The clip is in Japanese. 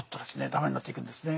駄目になっていくんですね。